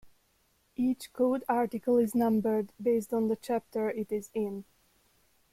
Each code article is numbered based on the chapter it is in.